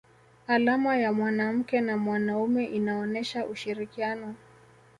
alama ya mwanamke na mwanaume inaonesha ushirikiano